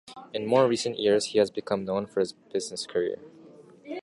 In more recent years he has become known for his business career.